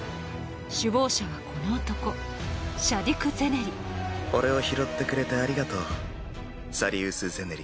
首謀者はこの男シャディク・ゼネリ俺を拾ってくれてありがとうサリウス・ゼネリ。